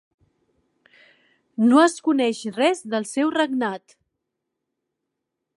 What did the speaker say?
No es coneix res del seu regnat.